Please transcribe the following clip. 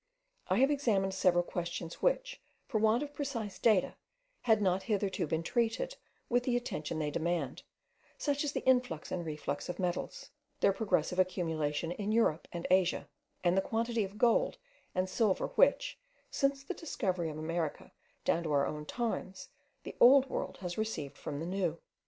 I have examined several questions which, for want of precise data, had not hitherto been treated with the attention they demand, such as the influx and reflux of metals, their progressive accumulation in Europe and Asia, and the quantity of gold and silver which, since the discovery of America down to our own times, the Old World has received from the New.